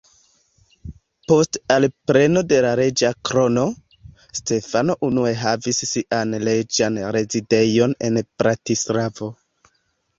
Post alpreno de la reĝa krono, Stefano unue havis sian reĝan rezidejon en Bratislavo.